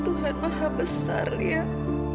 tuhan maha besar liat